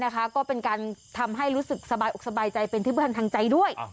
ก็เป็นการทำให้รู้สึกสบายอกสบายใจเป็นที่บ้านทางใจด้วย